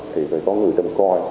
thì phải có người tâm coi